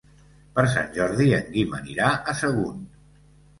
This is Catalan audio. Per Sant Jordi en Guim anirà a Sagunt.